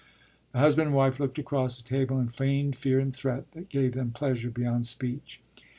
” The husband and wife looked across the table in feigned fear and threat that gave them pleasure beyond speech.